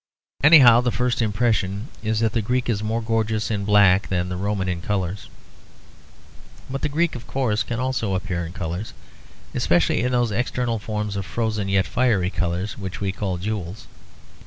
Anyhow the first impression is that the Greek is more gorgeous in black than the Roman in colours. But the Greek of course can also appear in colours, especially in those eternal forms of frozen yet fiery colours which we call jewels.